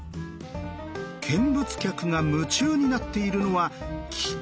見物客が夢中になっているのは菊です。